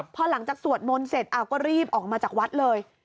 พอหลังจากสวดมนต์เสร็จก็รีบออกมาจากวัดเลย